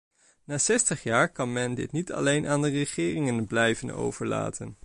Na zestig jaar kan men dit niet alleen aan de regeringen blijven overlaten.